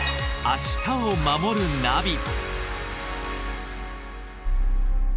「明日をまもるナビ」